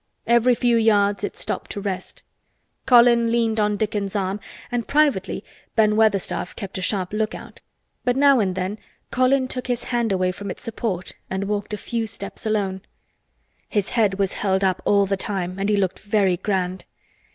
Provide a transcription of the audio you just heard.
Every few yards it stopped to rest. Colin leaned on Dickon's arm and privately Ben Weatherstaff kept a sharp lookout, but now and then Colin took his hand from its support and walked a few steps alone. His head was held up all the time and he looked very grand.